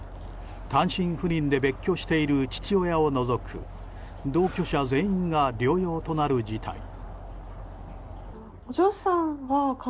単身赴任で別居している父親を除く同居者全員が療養となる事態。